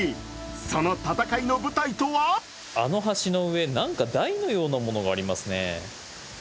その戦いの舞台とはあの橋の上、なんか台のようなものがありますね。